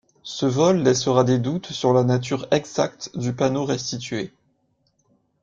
Ce vol laissera des doutes sur la nature exacte du panneau restitué.